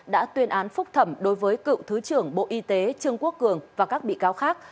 đã tuyên án phúc thẩm đối với cựu thứ trưởng bộ y tế trương quốc cường và các bị cáo khác